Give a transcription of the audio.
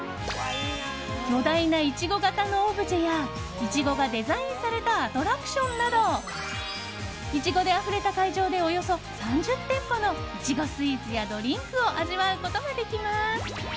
巨大なイチゴ形のオブジェやイチゴがデザインされたアトラクションなどイチゴであふれた会場でおよそ３０店舗のイチゴスイーツやドリンクを味わうことができます。